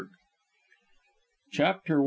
CHAPTER I.